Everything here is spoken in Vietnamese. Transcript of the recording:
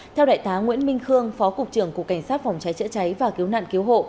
theo đại tá nguyễn minh khương phó cục trưởng cục cảnh sát phòng cháy chữa cháy và cứu nạn cứu hộ